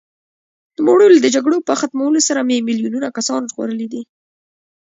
نوموړي وویل، د جګړو په ختمولو سره مې میلیونونه کسان ژغورلي دي.